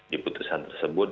di putusan tersebut